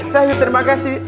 sahih terima kasih